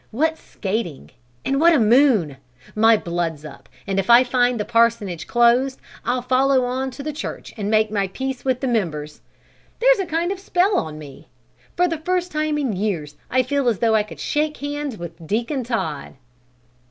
What skating, and what a moon! My blood's up, and if I find the parsonage closed, I'll follow on to the church and make my peace with the members. There's a kind of spell on me! For the first time in years I feel as though I could shake hands with Deacon Todd."